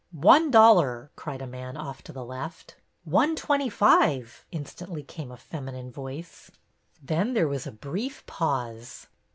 " One dollar !" cried a man off to the left. " One twenty five !" instantly came a feminine voice. THE AUCTION H3 Then there was a brief pause.